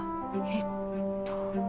えっと。